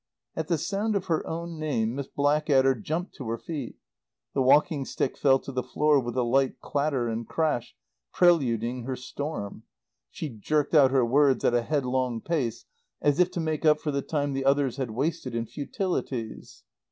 At the sound of her own name Miss Blackadder jumped to her feet. The walking stick fell to the floor with a light clatter and crash, preluding her storm. She jerked out her words at a headlong pace, as if to make up for the time the others had wasted in futilities.